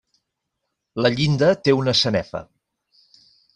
La llinda té una sanefa.